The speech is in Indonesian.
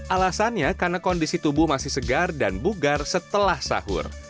alasannya karena kondisi tubuh masih segar dan bugar setelah sahur